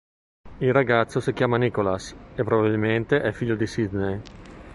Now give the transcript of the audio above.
Il ragazzo si chiama Nicholas, e probabilmente è figlio di Sydney.